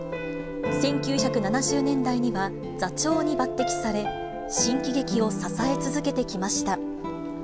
１９７０年代には座長に抜てきされ、新喜劇を支え続けてきました。